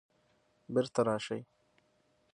بیرته راشئ